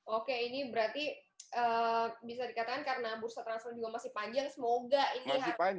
oke ini berarti bisa dikatakan karena bursa transfer juga masih panjang semoga ini